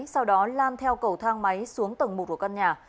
sau đó lan theo cầu thang máy xuống tầng một của căn nhà